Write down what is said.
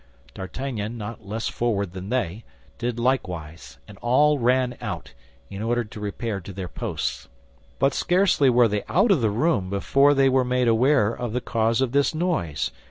D'Artagnan, not less forward than they, did likewise, and all ran out, in order to repair to their posts. But scarcely were they out of the room before they were made aware of the cause of this noise.